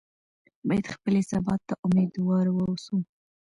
باید خپلې سبا ته امیدواره واوسو.